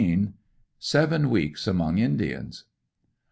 SEVEN WEEKS AMONG INDIANS.